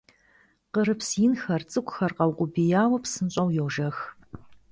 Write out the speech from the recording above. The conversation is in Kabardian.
Къырыпс инхэр, цӀыкӀухэр къэукъубияуэ, псынщӀэу йожэх.